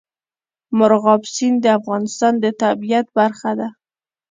مورغاب سیند د افغانستان د طبیعت برخه ده.